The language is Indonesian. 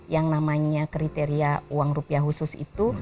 yang namanya kriteria uang rupiah khusus itu